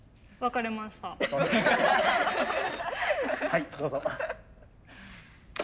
はいどうぞ。